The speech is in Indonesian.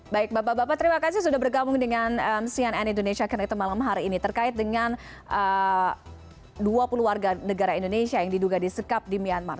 baik bapak bapak terima kasih sudah bergabung dengan cnn indonesia connected malam hari ini terkait dengan dua puluh warga negara indonesia yang diduga disekap di myanmar